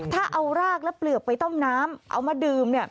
ถ้าเอารากและเปลือกไปต้มน้ำเอามาดื่มเนี่ย